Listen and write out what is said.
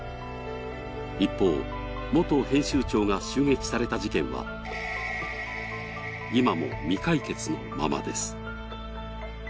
一方、元編集長が襲撃された事件は今も未解決のままです。